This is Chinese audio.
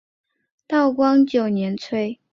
道光九年卒。